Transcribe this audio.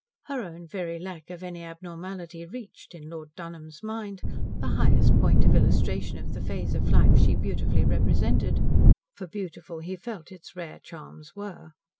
Her own very lack of any abnormality reached, in Lord Dunholm's mind, the highest point of illustration of the phase of life she beautifully represented for beautiful he felt its rare charms were.